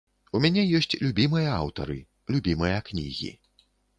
У мяне ёсць любімыя аўтары, любімыя кнігі.